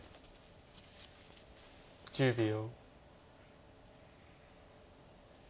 １０秒。